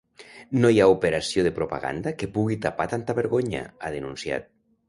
No hi ha operació de propaganda que pugui tapar tanta vergonya, ha denunciat.